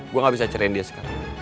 gue gak bisa ceritain dia sekarang